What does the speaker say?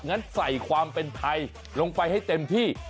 งั้นใส่ความเป็นไทยลงไปให้เต็มที่